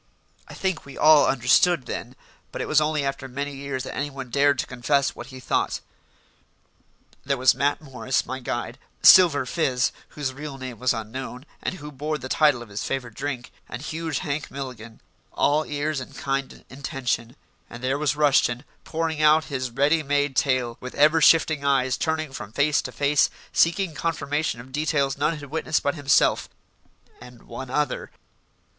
I think we all understood then, but it was only after many years that anyone dared to confess what he thought. There was Matt Morris, my guide; Silver Fizz, whose real name was unknown, and who bore the title of his favourite drink; and huge Hank Milligan all ears and kind intention; and there was Rushton, pouring out his ready made tale, with ever shifting eyes, turning from face to face, seeking confirmation of details none had witnessed but himself and one other.